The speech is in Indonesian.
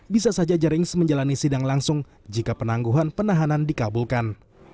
bisa saja jerings menjalani sidang langsung jika penangguhan penahanan dikabulkan